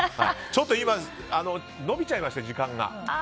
ちょっと今延びちゃいまして、時間が。